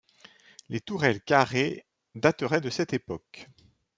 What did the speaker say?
Les tourelles carrées dateraient de cette époque.